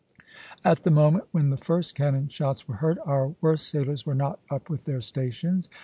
At the moment when the first cannon shots were heard, our worst sailers were not up with their stations.